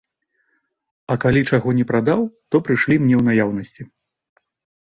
А калі чаго не прадаў, то прышлі мне ў наяўнасці.